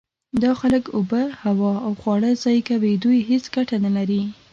دا خلک اوبه، هوا او خواړه ضایع کوي. دوی هیڅ ګټه نلري.